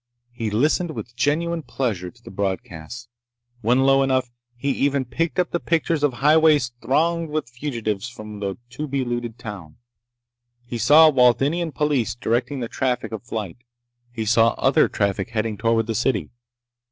He listened with genuine pleasure to the broadcasts. When low enough, he even picked up the pictures of highways thronged with fugitives from the to be looted town. He saw Waldenian police directing the traffic of flight. He saw other traffic heading toward the city.